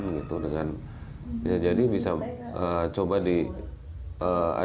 ada juga tempat penyimpanan dokumen yang bersejarah itu menurut saya harus diselamatkan